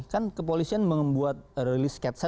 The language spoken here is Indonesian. kan kepolisian membuat rilis sketsa